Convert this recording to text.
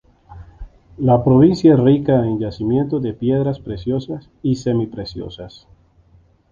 La provincia es rica en yacimientos de piedras preciosas y semipreciosas.